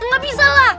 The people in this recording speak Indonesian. gak bisa lah